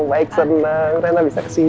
baik senang rena bisa kesini